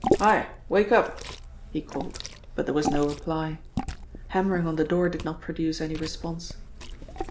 "Hi! Wake up!" he called, but there was no reply. Hammering on the door did not produce any response.